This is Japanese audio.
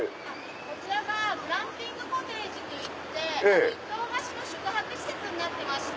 こちらがグランピングコテージといって１棟貸しの宿泊施設になってます。